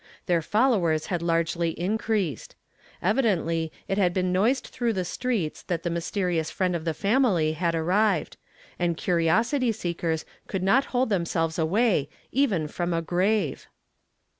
Their followers had largely increased. K\ i dently it had been noised through th^ streets that the mysterious friend of the family had arrived, and curiosity seekers could not hold themselves away, even from a grave.